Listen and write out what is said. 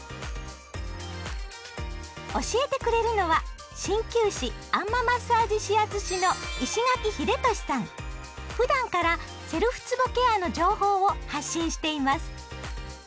教えてくれるのは鍼灸師あん摩マッサージ指圧師のふだんからセルフつぼケアの情報を発信しています。